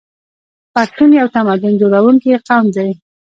پښتون یو تمدن جوړونکی قوم دی.